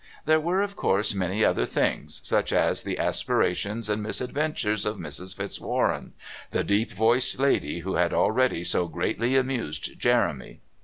There were, of course, many other things, such as the aspirations and misadventures of Mrs. Fitzwarren, the deep voiced lady who had already so greatly amused Jeremy.